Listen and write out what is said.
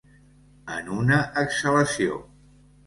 En una exhalació.